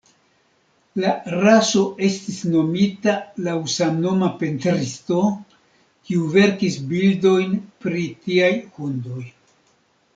La raso estis nomita laŭ samnoma pentristo, kiu verkis bildojn pri tiaj hundoj.